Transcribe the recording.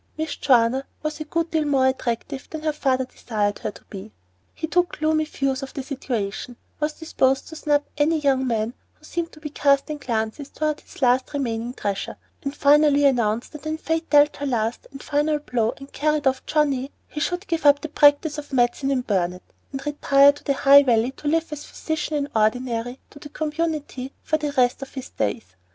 Miss Joanna was a good deal more attractive than her father desired her to be. He took gloomy views of the situation, was disposed to snub any young man who seemed to be casting glances toward his last remaining treasure, and finally announced that when Fate dealt her last and final blow and carried off Johnnie, he should give up the practice of medicine in Burnet, and retire to the High Valley to live as physician in ordinary to the community for the rest of his days.